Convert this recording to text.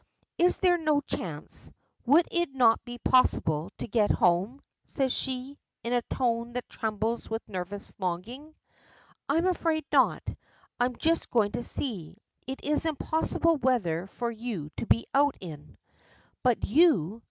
"Is there no chance would it not be possible to get home?" says she, in a tone that trembles with nervous longing. "I'm afraid not. I'm just going to see. It is impossible weather for you to be out in." "But you